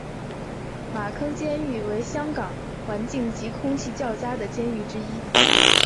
马坑监狱为香港环境及空气较佳的监狱之一。